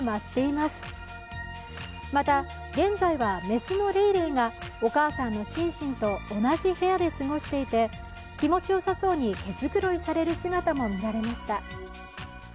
また、現在は雌のレイレイがお母さんのシンシンと同じ部屋で過ごしていて気持ちよさそうに毛繕いされる姿も見られました。